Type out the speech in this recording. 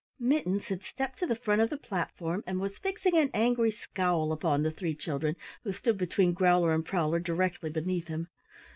Mittens had stepped to the front of the platform and was fixing an angry scowl upon the three children who stood between Growler and Prowler directly beneath him.